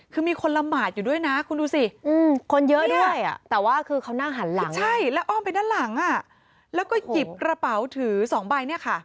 คือมีคนละหมาดอยู่ด้วยนะคุณดูสิคนเยอะด้วยแต่ว่าคือเขานั่งหันหลังใช่แล้วอ้อมไปด้านหลังแล้วก็หยิบกระเป๋าถือ๒ใบเนี่ยค่ะ